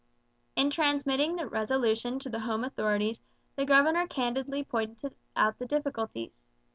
In transmitting the resolution to the home authorities the governor candidly pointed out the difficulties.